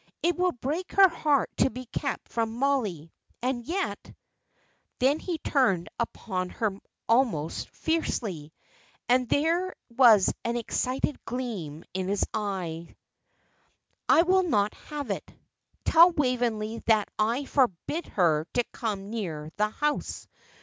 It will break her heart to be kept from Mollie; and yet " Then he turned upon her almost fiercely, and there was an excited gleam in his eyes. "I will not have it. Tell Waveney that I forbid her to come near the house.